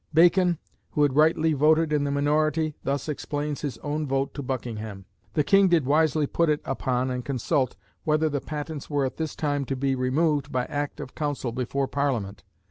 Bacon, who had rightly voted in the minority, thus explains his own vote to Buckingham: "The King did wisely put it upon and consult, whether the patents were at this time to be removed by Act of Council before Parliament.